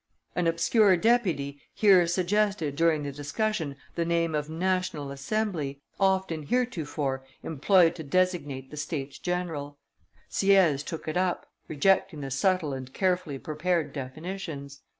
An obscure deputy here suggested during the discussion the name of National Assembly, often heretofore employed to designate the States general; Sieyes took it up, rejecting the subtle and carefully prepared definitions.